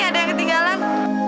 nih ada yang ketinggalan